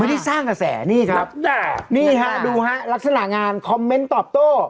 ที่สร้างกระแสนี่ครับนี่ฮะดูฮะลักษณะงานคอมเมนต์ตอบโต้